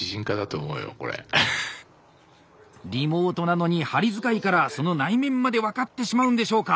リモートなのに針づかいからその内面まで分かってしまうんでしょうか。